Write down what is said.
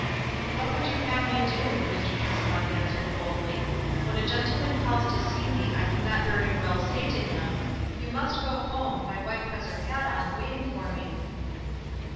"What would you have me do?" Mr. Trese vant answered, coldly. "When a gentleman calls to see me I can not very well say to him, * You must go home ; my wife has her hat on, waiting for me.'"